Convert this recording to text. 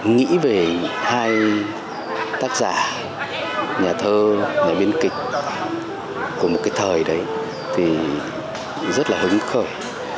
nghĩ về hai tác giả nhà thơ nhà biên kịch của một cái thời đấy thì rất là hứng khởi